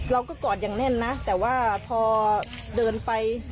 กอดอย่างแน่นนะแต่ว่าพอเดินไป